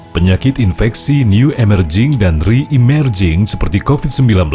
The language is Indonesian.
penyakit infeksi new emerging dan re emerging seperti covid sembilan belas